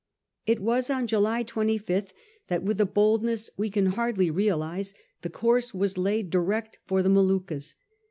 It was on July 25th that, with a boldness we can hardly realise, the course was laid direct for the Moluccas.